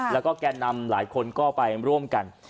แล้วก็แก่นำหลายคนก็ไปร่วมกัน